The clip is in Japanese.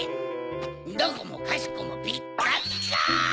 どこもかしこもピッカピカ！